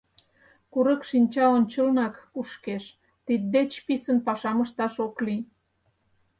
Курык шинча ончылнак кушкеш — тиддеч писын пашам ышташ ок лий...